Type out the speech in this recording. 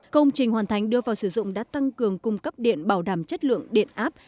công trình hoàn thành đưa vào sử dụng đã tăng cường cung cấp điện bảo đảm chất lượng điện áp